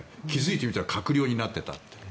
気付いてみたら閣僚になっていた。